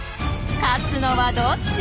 勝つのはどっち？